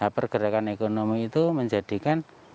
pergerakan ekonomi itu menjadikan